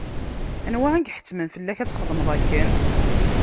Anwa iḥettmen fell-ak ad txedmeḍ akken?